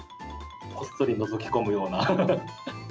こっそりのぞき込むような。